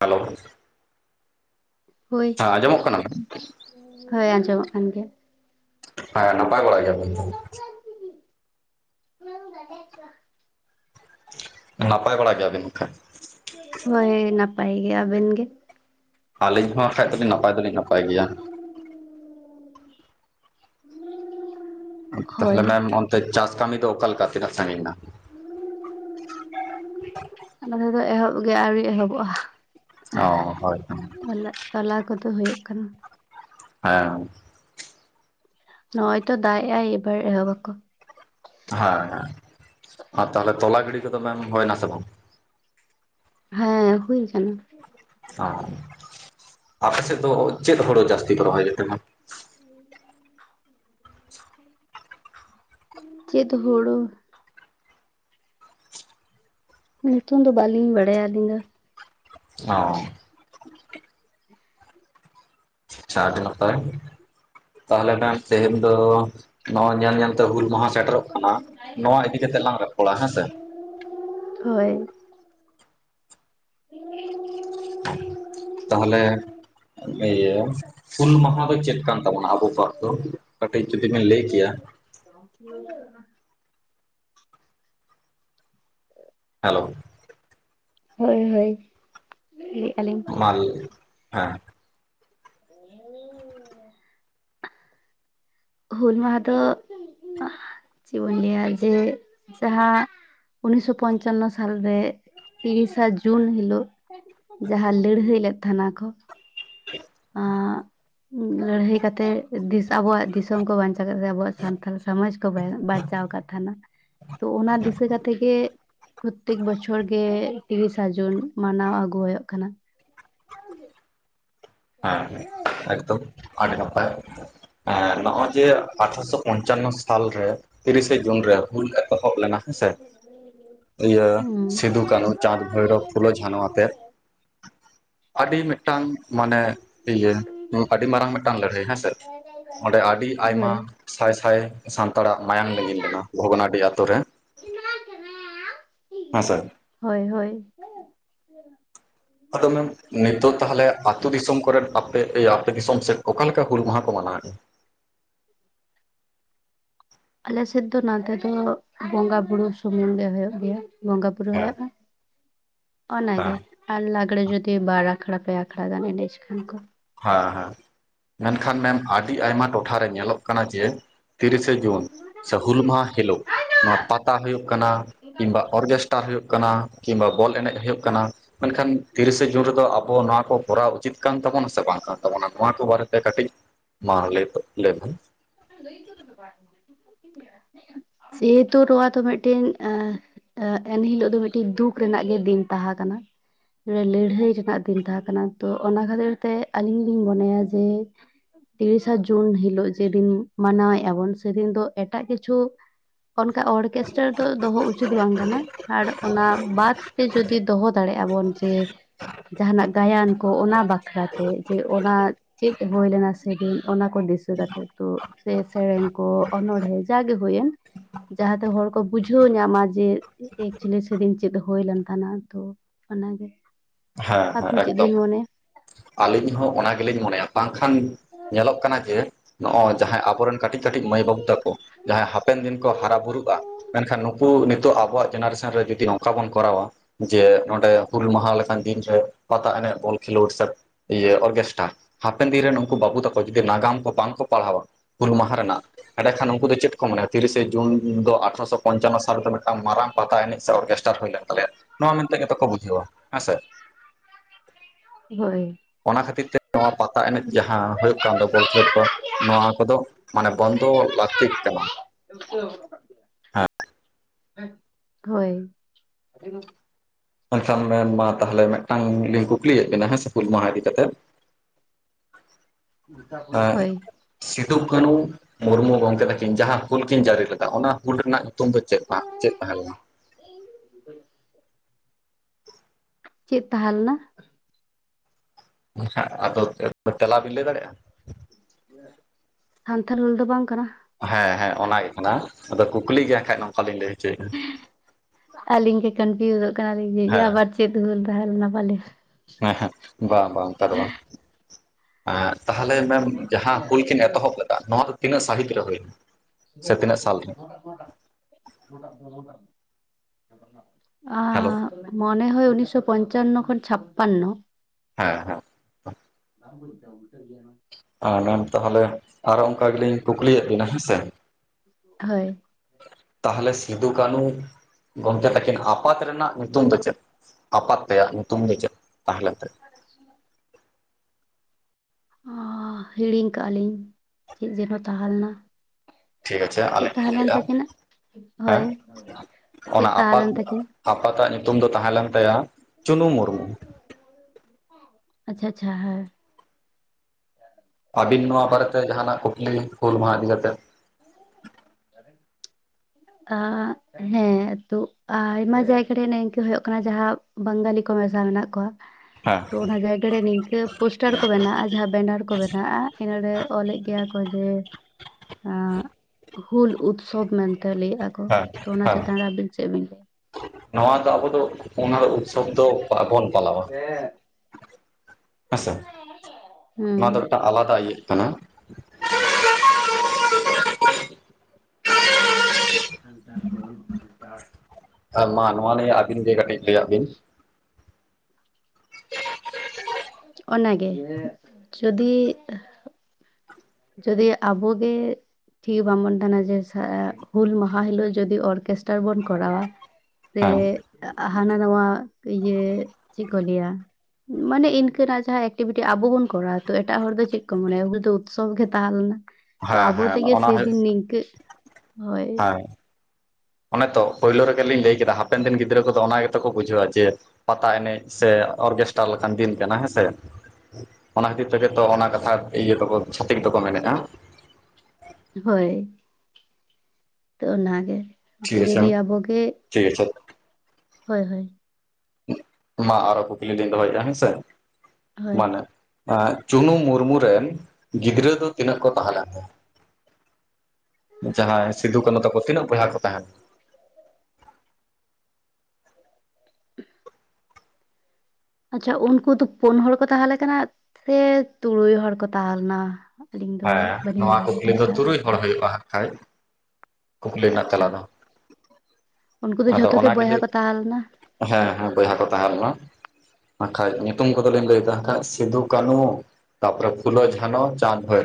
Hello. ᱦᱳᱭ ᱦᱮᱸ ᱟᱸᱡᱚᱢᱚᱜ ᱠᱟᱱᱟ? ᱦᱳᱭ ᱟᱸᱡᱚᱢᱚᱜ ᱠᱟᱱ ᱜᱮᱭᱟ᱾ ᱦᱮᱸ ᱱᱟᱯᱟᱭ ᱵᱟᱲᱟ ᱜᱮᱭᱟ ᱵᱤᱱ? [inaudible] ᱱᱟᱯᱟᱭ ᱵᱟᱲᱟ ᱜᱮᱭᱟ ᱵᱤᱱ ᱠᱷᱟᱡ? ᱦᱳᱭ ᱱᱟᱯᱟᱭ ᱜᱮ ᱟᱵᱮᱱ ᱜᱮ? ᱟᱹᱞᱤᱧ ᱦᱚᱸ ᱦᱟᱸᱠᱷᱟᱡ ᱫᱚ ᱱᱟᱯᱟᱭ ᱫᱚᱞᱤᱧ ᱱᱟᱯᱟᱭ ᱜᱮᱭᱟ᱾ ᱦᱳᱭ ᱛᱟᱦᱚᱞᱮ ᱢᱮᱢ ᱚᱱᱛᱮ ᱪᱟᱥ ᱠᱟᱹᱢᱤ ᱫᱚ ᱚᱠᱟ ᱞᱮᱠᱟ ᱛᱤᱱᱟᱹᱜ ᱥᱟᱺᱜᱤᱧ ᱮᱱᱟ? ᱟᱞᱮ ᱫᱚ ᱮᱦᱚᱵ ᱜᱮ ᱟᱹᱣᱨᱤ ᱮᱦᱚᱵᱚᱜᱼᱟ᱾ ᱚ ᱦᱳᱭ ᱛᱚ᱾ ᱛᱚᱞᱟ ᱛᱚᱞᱟ ᱠᱚᱫᱚ ᱦᱩᱭᱩᱜ ᱠᱟᱱᱟ᱾ ᱦᱮᱸᱻ ᱱᱚᱜᱼᱚᱭ ᱛᱚ ᱫᱟᱜ ᱮ ᱟᱭ ᱮᱵᱟᱨ ᱮᱦᱚᱵ ᱟᱠᱚ᱾ ᱦᱮᱸ ᱦᱮᱸ ᱟᱨ ᱛᱟᱦᱚᱞᱮ ᱛᱚᱞᱟ ᱜᱤᱲᱤ ᱠᱚᱫᱚ ᱦᱩᱭᱱᱟ ᱥᱮ ᱵᱟᱝ? ᱦᱮᱸ ᱦᱩᱭ ᱠᱟᱱᱟ᱾ ᱚ ᱟᱯᱮ ᱥᱮᱫ ᱫᱚ ᱪᱮᱫ ᱦᱳᱲᱳ ᱡᱟᱹᱥᱛᱤ ᱯᱮ ᱨᱚᱦᱚᱭ ᱜᱮᱛᱮ ᱢᱮᱢ? [inaudible] ᱪᱮᱫ ᱦᱳᱲᱳ ᱧᱩᱛᱩᱢ ᱫᱚ ᱵᱟᱞᱤᱧ ᱵᱟᱲᱟᱭᱟ ᱟᱞᱤᱧ ᱫᱚ᱾ ᱚᱻ ᱟᱪᱷᱟ ᱟᱰᱤ ᱱᱟᱯᱟᱭ᱾ ᱛᱟᱦᱚᱞᱮ ᱠᱷᱟᱱ ᱛᱮᱦᱮᱧ ᱫᱚ ᱱᱚᱜᱚᱭ ᱧᱮᱞ ᱧᱮᱞᱛᱮ ᱦᱩᱞ ᱢᱟᱦᱟ ᱥᱮᱴᱮᱨᱚᱜ ᱠᱟᱱᱟ ᱱᱚᱣᱟ ᱤᱫᱤ ᱠᱟᱛᱮᱜ ᱞᱟᱝ ᱨᱚᱯᱚᱲᱟ ᱦᱮᱸ ᱥᱮ᱾ ᱦᱳᱭ [unintelligible] ᱛᱟᱦᱞᱮ ᱤᱭᱟᱹ ᱦᱩᱞ ᱢᱟᱦᱟ ᱫᱚ ᱪᱮᱫ ᱠᱟᱱ ᱛᱟᱵᱚᱱᱟ ᱟᱵᱚ ᱠᱚᱣᱟᱜ ᱫᱚ? ᱠᱟᱹᱴᱤᱡ ᱡᱩᱫᱤ ᱵᱮᱱ ᱞᱟᱹᱭ ᱠᱮᱭᱟ [unintelligible] ᱦᱮᱞᱳ ᱦᱳᱭ ᱦᱳᱭ ᱞᱟᱹᱭᱮᱜ ᱠᱟᱱᱤᱧ᱾ ᱢᱟᱞ ᱦᱮᱸ᱾ [inaudible] ᱦᱩᱞ ᱢᱟᱦᱟ ᱫᱚ ᱪᱮᱫ ᱵᱚᱱ ᱞᱟᱹᱭᱟ ᱤᱭᱟᱹ ᱡᱟᱦᱟᱸ ᱩᱱᱤᱥᱥᱚ ᱯᱚᱧᱪᱟᱱᱱᱚ ᱥᱟᱞᱨᱮ ᱛᱤᱨᱤᱥᱟ ᱡᱩᱱ ᱦᱤᱞᱳᱜ ᱡᱟᱦᱟᱸ ᱞᱟᱹᱲᱦᱟᱹᱭ ᱞᱮᱫ ᱛᱟᱦᱮᱱᱟ ᱠᱚ [inaudible] ᱟᱸᱜ ᱞᱟᱹᱲᱦᱟᱹᱭ ᱠᱟᱛᱮᱜ ᱫᱤᱥ ᱟᱵᱚᱣᱟᱜ ᱫᱤᱥ ᱚᱢ ᱠᱚ ᱵᱟᱧᱪᱟᱣ ᱠᱟᱛᱮ ᱟᱵᱚᱣᱟᱜ ᱥᱟᱱᱛᱟᱞ ᱥᱚᱢᱟᱡᱽ ᱠᱚ ᱵᱟᱧᱪᱟᱣ ᱠᱟᱫ ᱛᱟᱦᱮᱱᱟ᱾ ᱛᱚ ᱚᱱᱟ ᱫᱤᱥᱟᱹ ᱠᱟᱛᱮ ᱜᱮ ᱯᱨᱚᱛᱛᱮᱠ ᱵᱚᱪᱷᱚᱨ ᱜᱮ ᱛᱤᱨᱤᱥᱟ ᱡᱩᱱ ᱢᱟᱱᱟᱣ ᱟᱹᱜᱩ ᱦᱩᱭᱩᱜ ᱠᱟᱱᱟ᱾ ᱦᱮᱸ, ᱮᱠᱫᱚᱢ ᱟᱰᱤ ᱱᱟᱯᱟᱭ ᱱᱚᱜᱼᱚᱭ ᱡᱮ ᱟᱴᱷᱮᱨᱚᱥᱚ ᱯᱚᱧᱪᱟᱱᱱᱚ ᱥᱟᱞ ᱨᱮ ᱛᱤᱨᱤᱥᱮ ᱡᱩᱱ ᱨᱮ ᱦᱩᱞ ᱮᱛᱚᱦᱚᱵ ᱞᱮᱱᱟ ᱦᱮᱸ ᱥᱮ᱾ ᱤᱭᱟᱹ ᱦᱩᱸ ᱥᱤᱫᱩ, ᱠᱟᱹᱱᱦᱩ, ᱪᱟᱸᱫᱽ, ᱵᱷᱳᱚᱭᱨᱚᱵ, ᱯᱷᱩᱞᱳ, ᱡᱷᱟᱱᱚ ᱟᱛᱮᱫ᱾ ᱟᱰᱤ ᱢᱤᱫᱴᱟᱝ ᱢᱟᱱᱮ ᱤᱭᱟᱹ ᱱᱚᱣᱟᱠᱚ ᱟᱹᱰᱤ ᱢᱟᱨᱟᱝ ᱢᱤᱫᱴᱟᱝ ᱞᱟᱹᱲᱦᱟᱹᱭ ᱦᱮᱸᱥᱮ, ᱚᱸᱰᱮ ᱟᱰᱤ ᱟᱭᱢᱟ ᱦᱳᱭ ᱥᱟᱭ ᱥᱟᱭ ᱥᱟᱱᱛᱟᱲᱟᱜ ᱢᱟᱭᱟᱝ ᱞᱤᱸᱜᱤ ᱞᱮᱱᱟ ᱵᱷᱚᱜᱽᱱᱟᱰᱤ ᱟᱹᱛᱩ ᱨᱮ᱾ ᱦᱮᱸ ᱥᱮ᱾ ᱦᱳᱭ ᱦᱳᱭ᱾ ᱟᱫᱚ ᱢᱮᱱ ᱱᱤᱛᱚᱜ ᱛᱟᱦᱞᱮ ᱟᱹᱛᱩ ᱫᱤᱥᱚᱢ ᱠᱚᱨᱮᱫ ᱟᱯᱮ ᱮ ᱟᱯᱮ ᱫᱤᱥᱚᱢ ᱥᱮᱫ ᱚᱠᱟᱞᱠᱟ ᱦᱩᱞ ᱢᱟᱦᱟ ᱠᱚ ᱢᱟᱱᱟᱣᱮᱜᱼᱟ? ᱟᱞᱮ ᱥᱮᱫ ᱫᱚ ᱱᱟᱛᱮ ᱫᱚ ᱵᱚᱸᱜᱟ ᱵᱩᱨᱩ ᱥᱩᱢᱩᱝ ᱜᱮ ᱦᱩᱭᱩᱜ ᱜᱮᱭᱟ᱾ ᱵᱚᱸᱜᱟ ᱵᱩᱨᱩ ᱦᱮᱸ ᱦᱩᱭᱩᱜᱼᱟ, ᱚᱱᱟᱜᱮ᱾ ᱦᱮᱸ ᱟᱨ ᱞᱟᱜᱽᱲᱮ ᱡᱩᱫᱤ ᱵᱟᱨ ᱟᱠᱷᱲᱟ ᱯᱮ ᱟᱠᱷᱲᱟ ᱜᱟᱱ ᱮᱱᱮᱪ ᱠᱷᱟᱱ ᱠᱚ᱾ ᱦᱮᱸ ᱦᱮᱸ, ᱢᱮᱱᱠᱷᱟᱱ ᱢᱮᱢ ᱟᱹᱰᱤ ᱟᱭᱢᱟ ᱴᱚᱴᱷᱟᱨᱮ ᱧᱮᱞᱚᱜ ᱠᱟᱱᱟ ᱡᱮ, ᱛᱤᱨᱤᱥᱮ ᱡᱩᱱ ᱥᱮ ᱦᱩᱞ ᱢᱟᱦᱟ ᱦᱤᱞᱳᱜ ᱱᱚᱣᱟ ᱯᱟᱛᱟ ᱦᱩᱭᱩᱜ ᱠᱟᱱᱟ ᱠᱤᱢᱵᱟ ᱚᱨᱜᱮᱥ ᱴᱟ ᱦᱩᱭᱩᱜ ᱠᱟᱱᱟ ᱠᱤᱢᱵᱟ ᱵᱚᱞ ᱮᱱᱮᱡ ᱦᱩᱭᱩᱜ ᱠᱟᱱᱟ ᱢᱮᱱᱠᱷᱟᱱ ᱛᱤᱨᱤᱥᱮ ᱡᱩᱱ ᱨᱮᱫᱚ ᱟᱵᱚ ᱱᱚᱣᱟ ᱠᱚ ᱠᱚᱨᱟᱣ ᱩᱪᱤᱛ ᱠᱟᱱ ᱛᱟᱵᱚᱱᱟ? ᱥᱮ ᱵᱟᱝ ᱠᱟᱱ ᱛᱟᱵᱚᱱᱟ ᱱᱚᱣᱟ ᱠᱚ ᱵᱟᱨᱮᱛᱮ ᱠᱟᱹᱴᱤᱡ ᱢᱟ ᱞᱟᱹᱭ ᱯᱮ ᱞᱟᱹᱭᱵᱮᱱ᱾ ᱞᱟᱹᱭ ᱠᱚᱛᱮᱫᱚ ᱵᱟᱭ ᱟᱸᱡᱚᱢᱟ ᱪᱤᱠᱟᱹ [unintelligible] [inaudible] ᱡᱮᱦᱮᱛᱩ ᱱᱚᱣᱟ ᱫᱚ ᱢᱤᱫᱴᱮᱱ ᱮᱸᱻ ᱮᱸᱜ ᱮᱱᱦᱤᱞᱳᱜ ᱫᱚ ᱢᱤᱫᱴᱤᱱ ᱫᱩᱠ ᱨᱮᱱᱟᱜ ᱜᱮ ᱫᱤᱱ ᱛᱟᱦᱮᱸ ᱠᱟᱱᱟ᱾ ᱱᱚᱣᱟ ᱞᱟᱹᱲᱦᱟᱹᱭ ᱨᱮᱱᱟᱜ ᱫᱤᱱ ᱛᱟᱦᱮᱸ ᱠᱟᱱᱟ ᱛᱚ, ᱚᱱᱟ ᱠᱷᱟᱹᱛᱤᱨ ᱛᱮ ᱟᱹᱞᱤᱧ ᱞᱤᱧ ᱢᱚᱱᱮᱭᱟ ᱡᱮ, ᱛᱤᱨᱤᱥᱟ ᱡᱩᱱ ᱦᱤᱞᱳᱜ ᱡᱮᱫᱤᱱ ᱢᱟᱱᱟᱣᱮᱜᱼᱟ ᱵᱚᱱ ᱥᱮᱫᱤᱱ ᱫᱚ ᱮᱴᱟᱜ ᱠᱤᱪᱷᱩ ᱚᱱᱠᱟ ᱚᱨᱠᱮᱥᱴᱟᱨ ᱫᱚ ᱫᱚᱦᱚ ᱩᱪᱤᱛ ᱵᱟᱝ ᱠᱟᱱᱟ᱾ ᱟᱨ ᱚᱱᱟ ᱵᱟᱫᱛᱮ ᱡᱚᱫᱤ ᱫᱚᱦᱚ ᱫᱟᱲᱮᱜ-ᱟ ᱵᱚᱱ ᱡᱮ, ᱡᱟᱦᱟᱱᱟᱜ ᱜᱟᱭᱟᱱ ᱠᱚ ᱚᱱᱟ ᱵᱟᱠᱷᱨᱟᱛᱮ ᱡᱮ ᱚᱱᱟ, ᱪᱮᱫ ᱦᱩᱭ ᱞᱮᱱᱟ ᱥᱮ ᱫᱤᱱ ᱚᱱᱟ ᱠᱚ ᱫᱤᱥᱟᱹ ᱠᱟᱛᱮᱫ᱾ ᱛᱚ, ᱥᱮ ᱥᱮᱨᱮᱧ ᱠᱚ ᱚᱱᱚᱬᱦᱮᱸ ᱡᱟᱜᱮ ᱦᱩᱭᱮᱱ ᱡᱟᱦᱟᱸᱛᱮ ᱦᱚᱲ ᱠᱚ ᱵᱩᱡᱷᱟᱹᱣ ᱧᱟᱢᱟ ᱡᱮ ᱮᱠᱪᱩᱭᱮᱞᱤ ᱥᱮᱫᱤᱱ ᱪᱮᱫ ᱦᱩᱭ ᱞᱮᱱ ᱛᱟᱦᱮᱱᱟ? ᱛᱚ ᱚᱱᱟᱜᱮ ᱦᱮᱸ ᱦᱮᱸ ᱟᱹᱵᱤᱱ ᱪᱮᱫ ᱮᱠᱫᱚᱢ ᱵᱤᱱ ᱢᱚᱱᱮᱭᱟ? ᱟᱹᱞᱤᱧ ᱦᱚᱸ ᱚᱱᱟ ᱜᱮᱞᱤᱧ ᱢᱚᱱᱮᱭᱟ ᱵᱟᱝᱠᱷᱟᱱ ᱧᱮᱞᱚᱜ ᱠᱟᱱᱟ ᱡᱮ ᱱᱚᱜᱚᱭ ᱡᱟᱦᱟᱸᱭ ᱟᱵᱚᱨᱮᱱ ᱠᱟᱹᱴᱤᱡ ᱠᱟᱹᱴᱤᱡ ᱢᱟᱹᱭ ᱵᱟᱹᱵᱩ ᱛᱟᱠᱚ, ᱡᱟᱦᱟᱸᱭ ᱦᱟᱯᱮᱱ ᱫᱤᱱ ᱠᱚ ᱦᱟᱨᱟ ᱵᱩᱨᱩᱜᱼᱟ, ᱢᱮᱱᱠᱷᱟᱱ ᱱᱩᱠᱩ ᱩᱱᱠᱩ, ᱱᱤᱛᱚᱜ ᱟᱵᱚᱣᱟᱜ ᱡᱮᱱᱟᱨᱮᱥᱚᱱ ᱨᱮ ᱡᱩᱫᱤ, ᱱᱚᱝᱠᱟ ᱵᱚᱱ ᱠᱚᱨᱟᱣᱟ ᱡᱮ, ᱱᱚᱸᱰᱮ ᱦᱩᱞ ᱢᱟᱦᱟ ᱞᱮᱠᱟᱱ ᱫᱤᱱᱨᱮ, ᱯᱟᱛᱟ ᱮᱱᱮᱡ ᱵᱚᱞ ᱠᱷᱮᱞᱳᱰ ᱥᱮ ᱤᱭᱟᱹ ᱚᱨᱜᱮᱥᱴᱨᱟ, ᱦᱟᱯᱮᱱ ᱫᱤᱱ ᱨᱮᱱ ᱩᱱᱠᱩ ᱵᱟᱹᱵᱩ ᱛᱟᱠᱚ, ᱡᱩᱫᱤ ᱱᱟᱜᱟᱢ ᱠᱚ ᱵᱟᱝ ᱠᱚ ᱯᱟᱲᱦᱟᱣᱟ ᱦᱩᱞ ᱢᱟᱦᱟ ᱨᱮᱱᱟᱜ, ᱮᱸᱰᱮ ᱠᱷᱟᱱ ᱩᱱᱠᱩ ᱫᱚ ᱪᱮᱫ ᱢᱟᱱᱮ, ᱛᱤᱨᱤᱥᱮ ᱡᱩᱱ ᱫᱚ ᱟᱴᱷᱨᱚᱥᱚ ᱯᱚᱧᱪᱟᱱᱱᱚ ᱥᱟᱞᱫᱚ, ᱢᱤᱫᱴᱟᱝ ᱢᱟᱨᱟᱝ ᱯᱟᱛᱟ ᱮᱱᱮᱡ ᱥᱮ ᱚᱨᱠᱮᱥᱴᱟᱨ ᱦᱩᱭ ᱞᱮᱱ ᱛᱟᱞᱮᱭᱟ ᱱᱚᱣᱟ ᱢᱮᱱᱛᱮ ᱡᱚᱛᱚ ᱠᱚ ᱵᱩᱡᱷᱟᱹᱣᱟ, ᱦᱮᱸ ᱥᱮ, ᱾ ᱦᱳᱭ, ᱚᱱᱟ ᱠᱷᱟᱹᱛᱤᱨ ᱛᱮ, ᱱᱚᱣᱟ ᱯᱟᱛᱟ ᱮᱱᱮᱡ ᱡᱟᱦᱟᱸ ᱦᱩᱭᱩᱜ ᱠᱟᱱ ᱫᱚ ᱵᱚᱞ ᱠᱷᱮᱞᱳᱰ ᱠᱚ, ᱱᱚᱣᱟ ᱠᱚᱫᱚ ᱢᱟᱱᱮ ᱵᱚᱱᱫᱚ ᱞᱟᱹᱠᱛᱤᱜ ᱠᱟᱱᱟ ᱾ [inaudible] ᱦᱳᱭ [inaudible] ᱮᱱᱠᱷᱟᱱ ᱢᱮᱱᱢᱟ ᱛᱟᱦᱚᱞᱮ, ᱢᱤᱫᱴᱟᱝ ᱞᱤᱧ ᱠᱩᱠᱞᱤᱭᱮᱫ ᱵᱮᱤᱱᱟ, ᱦᱮᱸ ᱥᱮ, ᱦᱩᱞ ᱢᱟᱦᱟ ᱤᱫᱤ ᱠᱟ ᱠᱟᱛᱮ? ᱟᱪᱪᱷᱟ, ᱦᱚᱭ, ᱥᱤᱫᱩ ᱠᱟᱱᱦᱩ ᱢᱩᱨᱢᱩ ᱜᱚᱢᱠᱮ ᱛᱟᱹᱠᱤᱱ, ᱡᱟᱦᱟᱸ ᱦᱩᱞ ᱠᱤᱱ ᱡᱟᱹᱨᱤ ᱞᱮᱫᱟ, ᱚᱱᱟ ᱦᱩᱞ ᱨᱮᱱᱟᱜ ᱧᱩᱛᱩᱢ ᱫᱚ ᱪᱮᱫ ᱟᱝ ᱪᱮᱫ ᱛᱟᱦᱮᱸ ᱞᱮᱱᱟ? [inaudible] ᱪᱮᱫ ᱛᱟᱦᱮᱸ ᱞᱮᱱᱟ? ᱮᱱᱠᱷᱟᱱ, ᱟᱫᱚ ᱛᱮᱞᱟ ᱵᱤᱱ ᱞᱟᱹᱭ ᱫᱟᱲᱮᱭᱟᱜᱼᱟ ᱾ ᱥᱟᱱᱛᱟᱲ ᱦᱩᱞ ᱫᱚ ᱵᱟᱝ ᱠᱟᱱᱟ? ᱦᱮᱸ ᱦᱮᱸ ᱚᱱᱟ ᱜᱮ ᱠᱟᱱᱟ, ᱟᱫᱚ ᱠᱩᱠᱞᱤ ᱜᱮ ᱮᱱᱠᱷᱟᱱᱡ ᱱᱚᱝᱠᱟ ᱞᱤᱧ ᱞᱟᱹᱭ ᱦᱚᱪᱚᱭᱮᱫᱼᱟ ᱦᱡ, ᱟᱹᱞᱤᱧ ᱜᱮ ᱠᱚᱱᱯᱤᱭᱩᱡᱚᱜ ᱠᱟᱱᱟ ᱞᱤᱧ, ᱡᱮ ᱦᱮᱸ ᱟᱵᱟᱨ ᱪᱮᱫ ᱦᱩᱞ ᱛᱟᱦᱮ ᱞᱮᱱᱟ ᱯᱟᱞᱮ? ᱮᱸᱦᱮᱸᱫ, ᱵᱟᱝ ᱵᱟᱝ ᱚᱝᱠᱟ ᱫᱚ ᱵᱟᱝ? ᱛᱟᱦᱚᱞᱮ ᱢᱮᱢ, ᱡᱟᱦᱟᱸ ᱦᱩᱞ ᱠᱤᱱ ᱮᱛᱚᱦᱚᱵ ᱞᱮᱫᱟ, ᱱᱚᱣᱟ ᱫᱚ ᱛᱤᱱᱟᱹᱜ ᱥᱟᱹᱦᱤᱛ ᱨᱮ ᱦᱩᱭᱞᱮᱱᱟ ᱾ [unintelligible] [inaudible] [inaudible] ᱟᱸ [unintelligible] ᱦᱮᱞᱳ, ᱢᱚᱱᱮ ᱦᱚᱭ, ᱩᱱᱤᱥᱚ ᱯᱚᱧᱪᱟᱱᱱᱚ ᱠᱷᱚᱱ ᱪᱷᱟᱯᱟᱱᱱᱚ, ᱦᱮᱸ ᱦᱮᱸ, ᱵᱟᱝ ᱵ [unintelligible] ᱥᱷ ᱜᱮ [unintelligible] [inaudible] ᱟ ᱢᱮᱢ ᱛᱟᱦᱚᱞᱮ, ᱟᱨ, ᱚᱱᱠᱟ ᱜᱮᱞᱤᱧ ᱠᱩᱠᱞᱤᱭᱮᱫ ᱵᱮᱤᱱᱟ, ᱦᱮᱸᱥᱮ, ᱦᱳᱭ, ᱛᱟᱦᱚᱞᱮ ᱥᱤᱫᱩ ᱠᱟᱹᱱᱩ ᱜᱚᱢᱠᱮ ᱛᱟᱹᱠᱤᱱ, ᱟᱯᱟᱛ ᱨᱮᱱᱟᱜ ᱧᱩᱛᱩᱢ ᱫᱚ ᱪᱮᱫ, ᱟᱯᱟᱛ ᱛᱮᱭᱟᱜ ᱧᱩᱛᱩᱢ ᱫᱚ ᱪᱮᱫ ᱛᱟᱦᱮᱸ ᱞᱮᱱ ᱛᱟᱠᱤᱱᱟ? [inaudible] ᱟᱻᱦ ᱦᱤᱲᱤᱧ ᱠᱟᱜᱼᱟ ᱞᱤᱧ ᱪᱮᱫ? ᱡᱮᱱᱚ ᱛᱟᱦᱮᱸ ᱞᱮᱱᱟ ᱾ ᱴᱷᱤᱠ ᱟᱪᱷᱮ ᱪᱮᱫ ᱟᱹᱞᱤᱧ ᱞᱤᱧ ᱛᱟᱦᱮᱸᱞᱮᱱ ᱞᱟᱹᱭᱮᱫᱼᱟ ᱛᱟᱹᱠᱤᱱᱟᱜ? ᱦᱮᱸ ᱦᱳᱭ, ᱪᱮᱫ ᱚᱱᱟ ᱟᱯᱟᱛ ᱛᱟᱦᱮᱸᱞᱮᱱ ᱛᱟᱹᱠᱤᱱᱟ? ᱟᱯᱟᱛᱟᱜ ᱧᱩᱛᱩᱢ ᱫᱚ ᱛᱟᱦᱮᱸ ᱞᱮᱱ ᱛᱟᱭᱟ ᱪᱩᱱᱩ ᱢᱩᱨᱢᱩ, [unintelligible] ᱟᱪᱪᱷᱟ ᱟᱪᱪᱷᱟ ᱦᱮᱸ, ᱟᱵᱤᱱ ᱱᱚᱣᱟ ᱵᱟᱨᱮ ᱛᱮ, ᱡᱟᱦᱟᱱᱟᱜ ᱠᱩᱠᱞᱤ ᱦᱩᱞ ᱢᱟᱦᱟ ᱤᱫᱤ ᱠᱟᱛᱮᱜ? [inaudible] ᱟᱸᱻᱜ, ᱦᱮᱸ ᱛᱚ, ᱟᱭᱢᱟ ᱡᱟᱭᱜᱟ ᱨᱮ ᱱᱤᱝᱠᱟ ᱦᱩᱭᱩᱜ ᱠᱟᱱᱟ, ᱡᱟᱦᱟᱸ ᱵᱟᱝᱜᱟᱞᱤ ᱠᱚ ᱢᱮᱥᱟ ᱢᱮᱱᱟᱜ ᱠᱚᱣᱟ ᱦᱮᱸ ᱛᱚ ᱚᱱᱟ ᱡᱟᱭᱜᱟ ᱨᱮ ᱱᱤᱝᱠᱟ ᱯᱳᱥᱴᱟᱨ ᱠᱚ ᱵᱮᱱᱟᱜᱼᱟ, ᱡᱟᱦᱟᱸ ᱵᱮᱱᱟᱨ ᱠᱚ ᱵᱮᱱᱟᱜᱼᱟ, ᱤᱱᱟᱹ ᱨᱮ ᱚᱞᱮᱫ ᱜᱮᱭᱟ ᱠᱚ ᱡᱮ ᱟ, ᱦᱩᱞ ᱩᱛᱥᱚᱵ ᱢᱮᱱᱛᱮ ᱞᱟᱹᱭᱟᱹᱜᱼᱟ ᱾ ᱦᱮᱸ ᱦᱮᱸ [unintelligible] ᱾ ᱱᱚᱣᱟ ᱫᱚ ᱟᱵᱚ ᱫᱚ ᱚᱱᱟ ᱫᱚ ᱩᱛᱥᱚᱵᱽ ᱫᱚ ᱵᱟᱵᱚᱱ ᱯᱟᱞᱟᱣᱟ ᱾ ᱦᱮᱸᱥᱮ, ᱱᱚᱣᱟ ᱫᱚ ᱦᱮᱸ ᱢᱤᱫᱴᱟᱝ ᱟᱞᱟᱫᱟ ᱤᱭᱟᱹᱜ ᱠᱟᱱᱟ ᱾ ᱠᱟᱱᱴᱟᱲ ᱫᱚ ᱵᱟᱹᱱᱩᱜ ᱠᱷᱟᱱᱴᱟᱲ ᱾ ᱟᱨ ᱢᱟ ᱱᱚᱣᱟ ᱱᱤᱭᱮ ᱟᱹᱵᱤᱱ ᱜᱮ ᱠᱟᱹᱴᱤᱡ ᱞᱟᱹᱭᱟᱜ ᱵᱤᱱ [inaudible] ᱚᱱᱟᱜᱮ ᱡᱩᱫᱤ ᱡᱩᱫᱤ ᱟᱵᱚᱜᱮ ᱴᱷᱤ ᱵᱟᱝᱵᱚᱱ ᱛᱟᱦᱮᱸᱱᱟ ᱡᱮᱥᱮᱜ ᱦᱩᱞ ᱢᱟᱦᱟ ᱦᱤᱞᱳᱜ ᱡᱚᱫᱤ ᱚᱨᱠᱮᱥᱴᱟᱨ ᱵᱚᱱ ᱠᱚᱨᱟᱣᱟ ᱦᱮᱸ ᱯᱮᱜ ᱟᱜ ᱦᱟᱱᱟ ᱱᱟᱣᱟ ᱤᱭᱟᱹ ᱪᱮᱫ ᱠᱚ ᱞᱟᱹᱭᱟ ᱢᱟᱱᱮ ᱤᱱᱠᱟᱹᱱᱟᱜ ᱡᱟᱦᱟᱸ ᱮᱠᱴᱤᱵᱷᱤᱴᱤ ᱟᱵᱚ ᱵᱚᱱ ᱠᱚᱨᱟᱣ ᱛᱚ ᱮᱴᱟᱜ ᱦᱚᱲ ᱫᱚ ᱪᱮᱫ ᱠᱚ ᱢᱚᱱᱮᱭᱟ ᱦᱩᱞ ᱫᱚ ᱩᱛᱥᱚᱵᱽ ᱜᱮ ᱛᱟᱦᱮ ᱞᱮᱱᱟ ᱾ ᱛᱚ ᱦᱮᱸ ᱟᱵᱚ ᱦᱮᱸ ᱛᱮᱜᱮ ᱚᱱᱟ ᱥᱮ ᱦᱩᱭᱩᱜ ᱫᱤᱱ ᱱᱤᱝᱠᱟᱹ ᱦᱚᱭ ᱚᱱᱮ ᱛᱚ ᱯᱳᱭᱞᱳ ᱨᱮᱜᱮ ᱞᱤᱧ ᱞᱟᱹᱭ ᱠᱮᱫᱟ ᱦᱟᱯᱮᱱ ᱫᱤᱱ ᱜᱤᱫᱽᱨᱟᱹ ᱠᱚᱫᱚ ᱚᱱᱟ ᱜᱮᱛᱚ ᱠᱚ ᱵᱩᱡᱷᱟᱹᱣᱟ ᱡᱮ ᱯᱟᱛᱟ ᱮᱱᱮᱡ ᱥᱮ ᱚᱨᱜᱮᱥᱴᱟᱨ ᱞᱮᱠᱟᱱ ᱫᱤᱱ ᱠᱟᱱᱟ ᱦᱮᱸᱥᱮ ᱚᱱᱟ ᱠᱷᱟᱹᱛᱤᱨ ᱛᱮᱜᱮ ᱛᱚ ᱚᱱᱟ ᱠᱟᱛᱷᱟ ᱤᱭᱟᱹ ᱫᱚᱠᱚ ᱪᱷᱟᱹᱛᱤᱠ ᱫᱚᱠᱚ ᱢᱮᱱᱮᱜᱼᱟ᱾ ᱦᱳᱭ ᱛᱳ ᱚᱱᱟᱜᱮ ᱡᱮ ᱴᱷᱤᱠ ᱟᱪᱷᱮ ᱡᱩᱫᱤ ᱟᱵᱚ ᱜᱮ ᱴᱷᱤᱠ ᱟᱪᱷᱮ ᱦᱳᱭ ᱦᱳᱭ ᱢᱟ ᱟᱨᱚ ᱠᱩᱠᱞᱤ ᱞᱤᱧ ᱫᱚᱦᱚᱭᱫᱟ ᱦᱮᱸᱥᱮ ᱦᱳᱭ ᱢᱟᱱᱮ ᱟᱸᱡ ᱪᱩᱱᱩ ᱢᱩᱨᱢᱩ ᱨᱮᱱ ᱜᱤᱫᱽᱨᱟᱹ ᱫᱚ ᱛᱤᱱᱟᱹᱜ ᱠᱚ ᱛᱟᱦᱮᱸ ᱞᱮᱱ ᱛᱟᱦᱮᱸ ᱞᱮᱱᱛᱟᱭᱟ? ᱡᱟᱦᱟᱸᱭ ᱥᱤᱫᱩ ᱠᱟᱱᱩ ᱛᱟᱠᱚ ᱛᱤᱱᱟᱹᱜ ᱵᱚᱭᱦᱟ ᱠᱚ ᱛᱟᱦᱮᱸᱱᱟ? ᱟᱪᱪᱷᱟ ᱩᱱᱠᱩ ᱫᱚ ᱯᱩᱱ ᱦᱚᱲ ᱠᱚ ᱛᱟᱦᱮᱸ ᱞᱮᱠᱟᱱᱟ ᱥᱮ ᱛᱩᱨᱩᱭ ᱦᱚᱲ ᱠᱚ ᱛᱟᱦᱮᱸ ᱞᱮᱱᱟ? ᱟᱹᱞᱤᱧ ᱫᱚ ᱦᱮᱸ ᱵᱟᱹᱞᱤᱧ ᱱᱚᱣᱟ ᱵᱟᱲᱟᱭᱟ ᱠᱩᱠᱞᱤ ᱫᱚ ᱴᱷᱤᱠᱴᱷᱟᱠ ᱾ ᱛᱩᱨᱩᱭ ᱦᱚᱲ ᱦᱩᱭᱩᱜᱼᱟ ᱦᱟᱜᱠᱷᱟᱡ ᱠᱷᱟᱡ ᱠᱩᱠᱞᱤ ᱨᱮᱱᱟᱜ ᱟᱪᱪᱷᱟ ᱛᱮᱞᱟ ᱫᱚ ᱾ ᱩᱱᱠᱩ ᱫᱚ ᱟᱫᱚ ᱡᱷᱚᱛᱚ ᱚᱱᱟ ᱜᱮ ᱵᱚᱭᱦᱟ ᱦᱩᱭᱩᱜ ᱠᱚ ᱛᱟᱦᱮᱸ ᱞᱮᱱᱟ ᱦᱮᱸ ᱦᱮᱸ ᱵᱚᱭᱦᱟ ᱠᱚ ᱛᱟᱦᱮᱸ ᱞᱮᱱᱟ ᱾ ᱵᱟᱝᱠᱷᱟᱡ ᱧᱩᱛᱩᱢ ᱠᱚᱫᱚᱞᱤᱧ ᱞᱟᱹᱭᱫᱟ ᱦᱟᱜᱠᱷᱟᱱᱡ ᱥᱤᱫᱩ, ᱠᱟᱹᱱᱩ, ᱛᱟᱯᱚᱨᱮ ᱯᱷᱩᱞᱳ, ᱡᱷᱟᱱᱳ, ᱪᱟᱱᱫᱽ ᱦᱳᱭ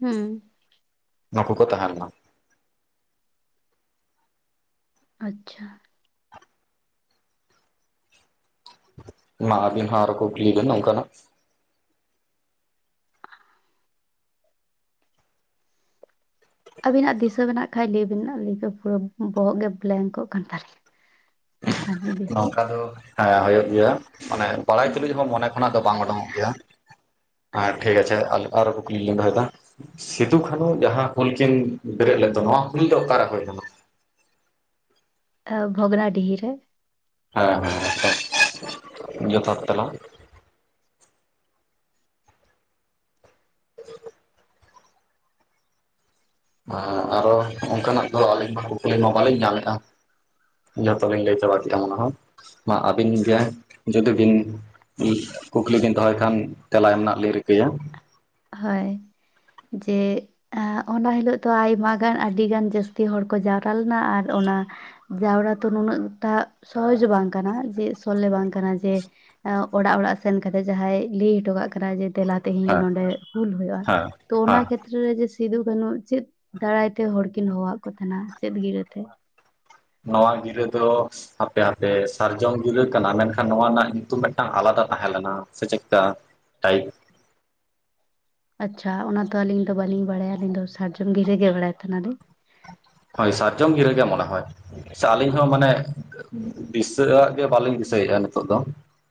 ᱦᱩᱸ ᱱᱩᱠᱩ ᱠᱚ ᱛᱟᱦᱮᱸ ᱞᱮᱱᱟ ᱾ ᱟᱪᱪᱷᱟ ᱾ ᱢᱟ ᱟᱹᱵᱤᱱ ᱦᱚᱸ ᱟᱨᱚ ᱠᱩᱠᱞᱤ ᱵᱤᱱ ᱱᱚᱝᱠᱟᱱᱟᱜ ᱾ ᱟᱹᱵᱤᱱᱟᱜ ᱫᱤᱥᱟᱹ ᱢᱮᱱᱟᱜ ᱠᱷᱟᱡ ᱞᱟᱹᱭ ᱵᱤᱱ ᱟᱹᱞᱤᱧ ᱫᱚ ᱯᱩᱨᱟᱹ ᱵᱚᱦᱚᱜ ᱜᱮ ᱵᱞᱮᱝᱠᱚᱜ ᱠᱟᱱ ᱛᱟᱹᱞᱤᱧᱟ᱾ ᱵᱟᱞᱤᱧ ᱫᱤᱥᱟᱹᱭᱮᱫ ᱱᱚᱝᱠᱟ ᱫᱚ ᱦᱮᱸ ᱦᱳᱭᱳᱜ ᱜᱮᱭᱟ ᱢᱟᱱᱮ ᱵᱟᱲᱟᱭ ᱛᱩᱞᱩᱡ ᱦᱚᱸ ᱢᱚᱱᱮ ᱚᱱᱟ ᱫᱚ ᱵᱟᱝ ᱚᱰᱳᱝᱚᱜ ᱜᱮᱭᱟ ᱟᱨ ᱴᱷᱤᱠᱟᱪᱷᱮ ᱟᱨᱚᱸ ᱠᱩᱠᱞᱤ ᱞᱤᱧ ᱫᱚᱦᱚᱭᱫᱟ ᱾ ᱥᱤᱫᱩ ᱠᱟᱹᱱᱩ ᱡᱟᱦᱟᱸ ᱦᱩᱞ ᱠᱤᱱ ᱵᱮᱨᱮᱫ ᱞᱮᱫ ᱫᱚ ᱱᱚᱣᱟ ᱦᱩᱞ ᱫᱚ ᱚᱠᱟᱨᱮ ᱦᱩᱭ ᱠᱟᱱᱟ? ᱵᱷᱚᱜᱽᱱᱟᱰᱤᱦᱤ ᱨᱮ ᱾ ᱦᱮᱸ ᱡᱚᱛᱷᱟᱛ ᱛᱮᱞᱟ ᱾ [inaudible] ᱚᱸ ᱟᱨᱚ ᱚᱱᱠᱟᱱᱟᱜ ᱫᱚ ᱟᱹᱞᱤᱧ ᱢᱟ ᱠᱩᱠᱞᱤ ᱢᱟ ᱵᱟᱹᱞᱤᱧ ᱧᱟᱢᱮᱫᱼᱟ᱾ ᱡᱷᱚᱛᱚᱞᱤᱧ ᱞᱟᱹᱭ ᱪᱟᱵᱟ ᱠᱮᱜᱼᱟ ᱢᱚᱱᱮᱦᱚᱸ ᱢᱟ ᱟᱹᱵᱤᱱ ᱜᱮ ᱡᱩᱫᱤ ᱵᱤᱱ ᱠᱩᱠᱞᱤ ᱵᱤᱱ ᱫᱚᱦᱚᱭ ᱠᱷᱟᱱ ᱛᱮᱞᱟ ᱮᱢ ᱨᱮᱱᱟᱜ ᱞᱤᱧ ᱨᱤᱠᱟᱹᱭᱟ ᱾ ᱦᱚᱭ ᱡᱮ ᱟ ᱚᱱᱟ ᱦᱤᱞᱳᱜ ᱫᱚ ᱟᱭᱢᱟ ᱜᱟᱱ ᱟᱹᱰᱤ ᱜᱟᱱ ᱡᱟᱹᱥᱛᱤ ᱦᱚᱲ ᱠᱚ ᱡᱟᱣᱨᱟ ᱞᱮᱱᱟ ᱟᱨ ᱚᱱᱟ ᱡᱟᱣᱨᱟ ᱛᱚ ᱱᱩᱱᱟᱹᱜ ᱴᱟᱜ ᱥᱚᱦᱚᱡ ᱵᱟᱝ ᱠᱟᱱᱟ ᱡᱮ ᱥᱚᱞᱦᱮ ᱵᱟᱝ ᱠᱟᱱᱟ ᱡᱮ ᱚᱲᱟᱜ ᱚᱲᱟᱜ ᱥᱮᱱ ᱠᱟᱛᱮᱜ ᱡᱟᱦᱟᱸᱭ ᱞᱟᱹᱭ ᱦᱚᱴᱚ ᱠᱟᱜ ᱠᱟᱱᱟᱭ ᱡᱮ ᱫᱮᱞᱟ ᱛᱮᱦᱮᱧ ᱫᱚ ᱦᱮᱸ ᱱᱚᱱᱰᱮ ᱦᱩᱞ ᱦᱩᱭᱳᱜᱼᱟ ᱦᱮᱸ ᱛᱳ ᱚᱱᱟ ᱦᱮᱸ ᱠᱷᱮ ᱛᱨᱮ ᱨᱮ ᱡᱮ ᱥᱤᱫᱩ ᱠᱟᱹᱱᱩ ᱪᱮᱫ ᱫᱟᱨᱟᱭ ᱛᱮ ᱦᱚᱲᱠᱤᱱ ᱦᱚᱦᱚᱣᱟᱫ ᱠᱚ ᱛᱟᱦᱮᱸᱱᱟ ᱪᱮᱫ ᱜᱤᱨᱟᱹᱛᱮ? ᱱᱚᱣᱟ ᱜᱤᱨᱟᱹ ᱫᱚ ᱦᱟᱯᱮ ᱦᱟᱯᱮ ᱥᱟᱨᱡᱚᱢ ᱜᱤᱨᱟᱹ ᱠᱟᱱᱟ ᱢᱮᱱᱠᱷᱟᱱ ᱱᱚᱣᱟ ᱨᱮᱱᱟᱜ ᱧᱩ ᱛᱩᱢ ᱢᱤᱫᱴᱟᱝ ᱟᱞᱟᱫᱟ ᱛᱟᱦᱮᱸ ᱞᱮᱱᱟ ᱥᱮ ᱪᱮᱜ ᱠᱟ ᱴᱟᱭᱤᱯ ᱟᱪᱷᱟ ᱚᱱᱟᱫᱚ ᱟᱹᱞᱤᱧ ᱫᱚ ᱵᱟᱹᱞᱤᱧ ᱵᱟᱲᱟᱭᱟ᱾ ᱟᱹᱞᱤᱧ ᱫᱚ ᱥᱟᱨᱡᱚᱢ ᱜᱤᱨᱟᱹ ᱜᱮ ᱵᱟᱲᱟᱭ ᱛᱟᱦᱮᱱ ᱞᱤᱧ᱾ ᱦᱳᱭ ᱥᱟᱨᱡᱚᱢ ᱜᱤᱨᱟᱹ ᱜᱮ ᱢᱚᱱᱮ ᱦᱚᱭ ᱥᱟ ᱟᱹᱞᱤᱧ ᱦᱚᱸ ᱢᱟᱱᱮ ᱫᱤᱥᱟᱹ ᱟᱜ ᱜᱮ ᱵᱟᱹᱞᱤᱧ ᱫᱤᱥᱟᱹᱭᱮᱜᱼᱟ ᱱᱤᱛᱚᱜ ᱫᱚ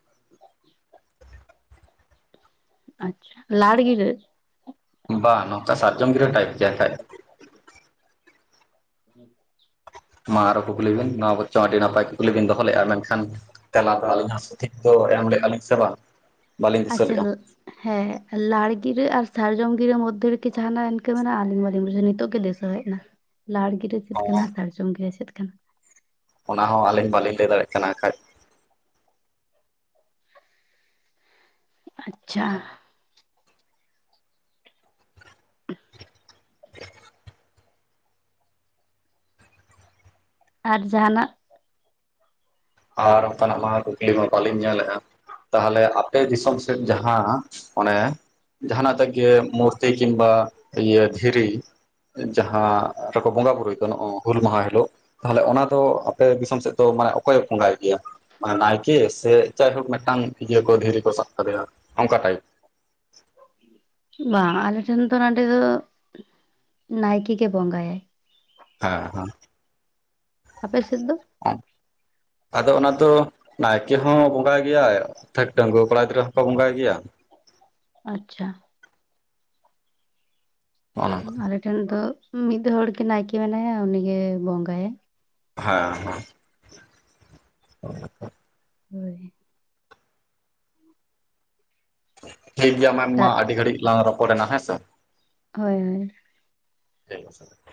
[inaudible] ᱟᱪᱷᱟ ᱴ, ᱞᱟᱲ ᱜᱤᱨᱟᱹ᱾ ᱵᱟ, ᱱᱚᱝᱠᱟ ᱥᱟᱨᱡᱚᱢ ᱜᱤᱨᱟᱹ ᱴᱟᱭᱤᱯ ᱜᱮᱭᱟ ᱡᱟ ᱠᱷᱟᱡ ᱦᱩᱸ, ᱢᱟ ᱟᱨᱚ ᱠᱩᱠᱞᱤ ᱵᱤᱱ ᱱᱚᱣᱟ ᱵᱚᱨᱪᱚᱝ ᱟᱹᱰᱤ ᱱᱟᱯᱟᱭ ᱠᱩᱠᱞᱤ ᱵᱤᱱ ᱫᱚᱦᱚ ᱞᱮᱜᱼᱟ ᱢᱮᱱᱠᱷᱟᱱ ᱛᱮᱞᱟ ᱫᱚ ᱟᱹᱞᱤᱧ ᱦᱚᱸ ᱥᱚᱴᱷᱤᱠ ᱫᱚ ᱮᱢ ᱞᱮᱱᱟ ᱞᱤᱧ ᱥᱮ ᱵᱟᱝ? ᱵᱟᱹᱞᱤᱧ ᱫᱤᱥᱟᱹ ᱟᱪᱪᱷᱟ ᱞᱮᱫᱼᱟ ᱦᱟᱸᱜ ᱦᱮᱸ ᱞᱟᱲ ᱜᱤᱨᱟᱹ ᱟᱨ ᱥᱟᱨᱡᱚᱢ ᱜᱤᱨᱟᱹ ᱢᱚᱫᱽᱫᱷᱮ ᱨᱮᱠᱤ ᱡᱟᱸᱦᱟᱱᱟᱜ ᱤᱱᱠᱟᱹ ᱢᱮᱱᱟᱜᱼᱟ? ᱟᱹᱞᱤᱧ ᱵᱟᱞᱤᱧ ᱵᱩᱡᱟ ᱱᱤᱛᱚᱜ ᱜᱮ ᱞᱟᱹᱭ [unintelligible] ᱮᱱᱟ, ᱞᱟᱲ ᱜᱤᱨᱟᱹ ᱪᱮᱫ ᱱᱚᱣᱟ ᱠᱟᱱᱟ ᱥᱟᱨᱡᱚᱢ ᱜᱤᱨᱟᱹ ᱪᱮᱫ ᱠᱟᱱᱟ? ᱚᱱᱟ ᱦᱚᱸ ᱟᱹᱞᱤᱧ ᱵᱟᱹᱞᱤᱧ ᱞᱟᱹᱭ ᱫᱟᱲᱮᱭᱟᱜ ᱠᱟᱱᱟ ᱦᱟᱸᱜ ᱠᱷᱟᱡ᱾ ᱟᱪᱪᱷᱟ᱾ [inaudible] ᱟᱨ ᱡᱟᱸᱦᱟᱱᱟᱜ? ᱟᱨ ᱚᱝᱠᱟᱱᱟᱜ ᱢᱟ ᱠᱩᱠᱞᱤ ᱢᱟ ᱵᱟᱹᱞᱤᱧ ᱧᱮᱞᱟᱠᱟᱫ᱾ ᱛᱟᱦᱞᱮ ᱟᱯᱮ ᱫᱤᱥᱚᱢ ᱥᱮᱫ ᱡᱟᱦᱟᱸ ᱚᱱᱮ ᱡᱟᱸᱦᱱᱟᱜ ᱛᱮᱜᱮ ᱢᱩᱨᱛᱤ ᱠᱤᱢᱵᱟ ᱤᱭᱟᱹ ᱫᱷᱤᱨᱤ ᱡᱟᱦᱟᱸ ᱨᱮᱠᱚ ᱵᱚᱸᱜᱟ ᱵᱩᱨᱩᱭ ᱫᱚ ᱱᱚᱜᱼᱚ ᱦᱩᱞ ᱢᱟᱦᱟ ᱦᱤᱞᱳᱜ, ᱛᱟᱦᱞᱮ ᱚᱱᱟ ᱫᱚ ᱟᱯᱮ ᱫᱤᱥᱚᱢ ᱥᱮᱫ ᱫᱚ ᱢᱟᱱᱮ ᱚᱠᱚᱭᱮ ᱵᱚᱸᱜᱟᱭ ᱜᱮᱭᱟ? ᱟ, ᱱᱟᱭᱠᱮ ᱥᱮ ᱡᱟᱭᱦᱳᱠ ᱢᱤᱫᱴᱟᱝ ᱤᱭᱟᱹ ᱠᱚ ᱫᱷᱤᱨᱤ ᱠᱚ ᱥᱟᱵ ᱠᱟᱫᱮᱭᱟ ᱚᱝᱠᱟ ᱴᱟᱭᱤᱯ? ᱵᱟᱝ ᱟᱞᱮ ᱴᱷᱮᱱ ᱫᱚ ᱱᱚᱸᱰᱮ ᱫᱚ ᱱᱟᱭᱠᱮ ᱜᱮ ᱵᱚᱸᱜᱟᱭᱟᱭ᱾ ᱦᱮᱸ ᱦᱮᱸ᱾ ᱟᱯᱮ ᱥᱮᱫ ᱫᱚ? [unintelligible] ᱟᱫᱚ ᱚᱱᱟ ᱫᱚ ᱱᱟᱭᱠᱮ ᱦᱚᱸ ᱵᱚᱸᱜᱟᱭ ᱜᱮᱭᱟ, [unintelligible] ᱰᱟᱺᱜᱽᱣᱟᱹ ᱠᱚᱲᱟ ᱜᱤᱫᱽᱨᱟᱹ ᱦᱚᱸᱠᱚ ᱵᱚᱸᱜᱟᱭ ᱜᱮᱭᱟ᱾ ᱟᱪᱪᱷᱟ ᱚᱱᱟ ᱟᱞᱮ ᱴᱷᱮᱡ ᱫᱚ ᱢᱤᱫ ᱦᱚᱲ ᱜᱮ ᱱᱟᱭᱠᱮ ᱢᱮᱱᱟᱭᱟ ᱩᱱᱤᱜᱮ ᱵᱚᱸᱜᱟᱭᱟ᱾ ᱦᱮᱸ ᱦᱮᱸ [unintelligible] ᱦᱩᱸ᱾ ᱴᱷᱤᱠ ᱜᱮᱭᱟ ᱢᱮᱱ ᱢᱟ ᱟᱹᱰᱤ ᱜᱷᱟᱹᱲᱤᱡ ᱞᱟᱝ ᱨᱚᱯᱚᱲᱮᱱᱟ ᱦᱮᱸᱥᱮ᱾ ᱦᱳᱭ [unintelligible]